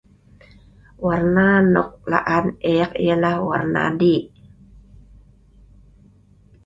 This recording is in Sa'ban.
Warna nok laan eek ialah warna dih'